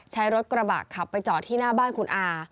ใช้รถกระบะขับไปจอดที่หน้าบ้านคุณอา